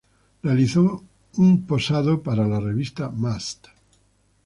Realizó un posado para la revista "Must!